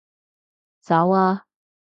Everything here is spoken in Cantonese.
走啊